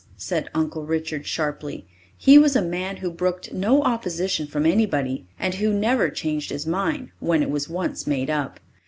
said Uncle Richard sharply. He was a man who brooked no opposition from anybody, and who never changed his mind when it was once made up.